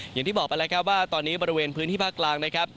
อย่างที่บอกไปแล้วครับว่าตอนนี้บริเวณพื้นที่ภาคกลางนะครับ